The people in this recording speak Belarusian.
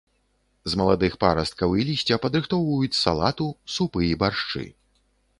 З маладых парасткаў і лісця падрыхтоўваюць салату, супы і баршчы.